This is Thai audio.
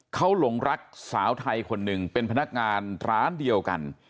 เขาหลงรักสาวไทยคนหนึ่งเป็นพนักงานร้านเดียวกัน